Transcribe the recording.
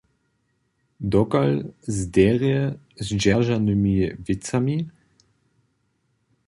Dokal z derje zdźeržanymi wěcami?